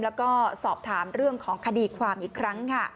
แล้วก็สอบถามของคดีความอีกครั้ง